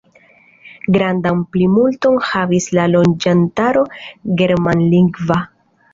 Grandan plimulton havis la loĝantaro germanlingva.